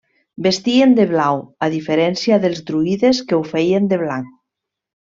Vestien de blau, a diferència dels druides que ho feien de blanc.